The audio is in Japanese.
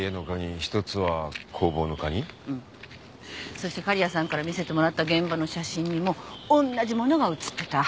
そして狩矢さんから見せてもらった現場の写真にもおんなじものが写ってた。